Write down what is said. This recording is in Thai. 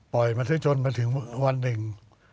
ปล่อยมาถึงจนมาถึงวันหนึ่ง